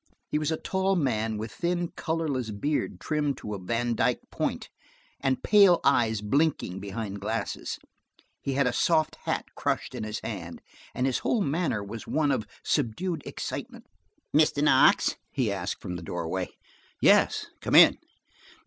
He was a tall man, with thin, colorless beard trimmed to a Vandyke point, and pale eyes blinking behind glasses. He had a soft hat crushed in his hand, and his whole manner was one of subdued excitement. "Mr. Knox?" he asked, from the doorway. "Yes. Come in."